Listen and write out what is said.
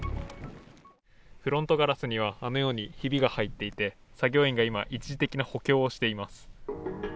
フロントガラスにはあのようにひびが入っていて作業員が今、一時的な補強をしています。